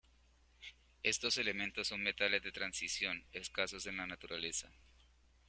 Estos elementos son metales de transición escasos en la naturaleza.